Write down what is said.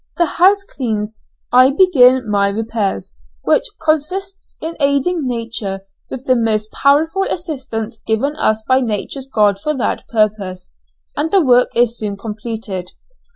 The house cleansed, I begin my repairs, which consist in aiding Nature with the most powerful assistance given us by Nature's God for that purpose, and the work is soon completed.